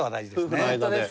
夫婦の間で。